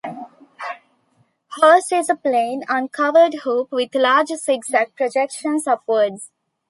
Hers is a plain uncovered hoop with large zig-zag projections upwards.